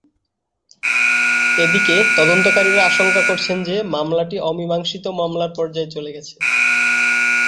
এদিকে, তদন্তকারীরা আশঙ্কা করছেন যে মামলাটি অমীমাংসিত মামলার পর্যায়ে চলে গেছে।